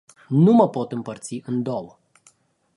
Nu mă pot împărți în două.